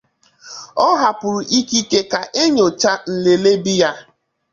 Ọ hapụrụ ikike ka e nyochaa nlele B ya.